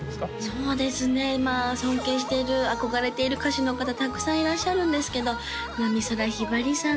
そうですね尊敬している憧れている歌手の方たくさんいらっしゃるんですけど美空ひばりさん